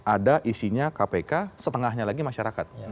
ada isinya kpk setengahnya lagi masyarakat